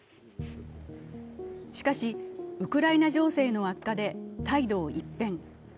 しかし、ウクライナ情勢の悪化で態度を一変。